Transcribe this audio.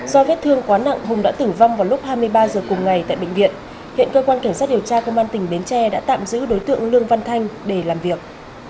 do vết thương quá nặng hùng đã tử vong vào lúc hai mươi ba h cùng ngày tại bệnh viện hiện cơ quan cảnh sát điều tra công an tỉnh bến tre đã tạm giữ đối tượng lương văn thanh để làm việc